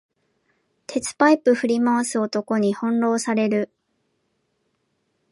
鉄パイプ振り回す男に翻弄される